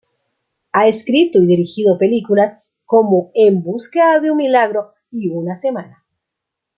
Ha escrito y dirigido películas como En busca de un milagro y "Una semana".